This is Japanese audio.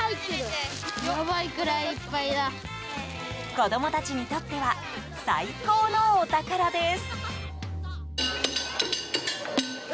子供たちにとっては最高のお宝です。